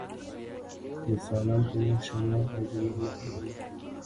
د سالنګ تونل شمال او جنوب نښلوي